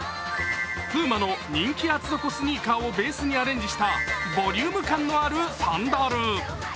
ＰＵＭＡの人気厚底スニーカーをベースにアレンジしたボリューム感のあるサンダル。